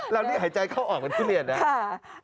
แล้วนี่หายใจเข้าออกเหมือนที่เรียนนะครับค่ะ